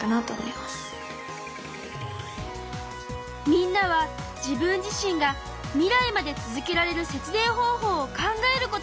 みんなは自分自身が未来まで続けられる節電方法を考えることにしたの。